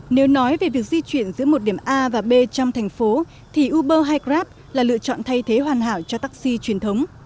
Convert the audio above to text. nếu nói về việc di chuyển giữa một điểm a và b trong thành phố thì uber hay grab là lựa chọn thay thế hoàn hảo cho taxi truyền thống